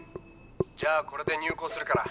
じゃあこれで入稿するから」